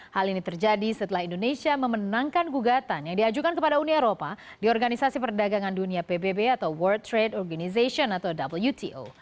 hal ini terjadi setelah indonesia memenangkan gugatan yang diajukan kepada uni eropa di organisasi perdagangan dunia pbb atau world trade organization atau wto